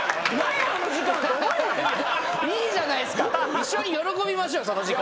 一緒に喜びましょうよその時間。